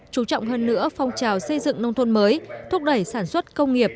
chú trọng hơn nữa phong trào xây dựng nông thôn mới thúc đẩy sản xuất công nghiệp